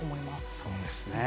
そうですね。